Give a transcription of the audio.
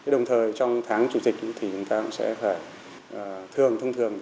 đồng thời trong tháng chủ tịch thì chúng ta cũng sẽ phải thường thông thường